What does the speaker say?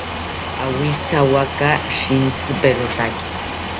Awithawaka shintziperotaki